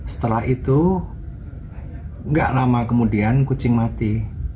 setelah itu nggak lama kemudian kucing mati